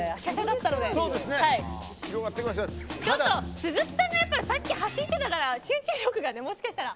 鈴木さんがさっき走ってたから集中力が、もしかしたら。